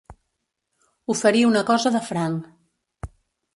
Oferir una cosa de franc.